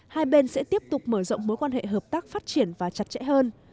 hai bên sẽ tiếp tục mở rộng mối quan hệ hợp tác phát triển và chặt chẽ hơn